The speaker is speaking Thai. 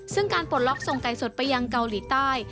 ซึ่งการปลดล็อกส่งไก่สดไปยังเกาหลีใต้